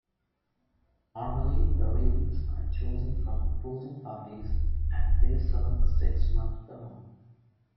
Normally the Regents are chosen from opposing parties and they serve a six-month term.